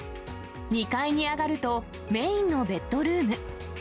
２階に上がると、メインのベッドルーム。